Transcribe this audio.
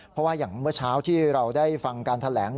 เพราะว่าอย่างเมื่อเช้าที่เราได้ฟังการแถลง